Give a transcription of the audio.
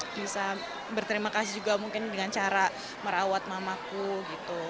bisa berterima kasih juga mungkin dengan cara merawat mamaku gitu